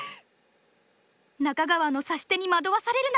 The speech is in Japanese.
中川の指し手に惑わされるな！